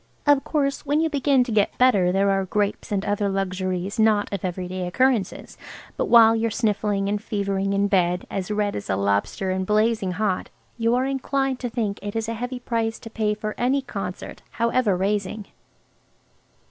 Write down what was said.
Of course, when you begin to get better there are grapes and other luxuries not of everyday occurrences, but while you're sniffling and fevering in bed, as red as a lobster and blazing hot, you are inclined to think it is a heavy price to pay for any concert, however raising.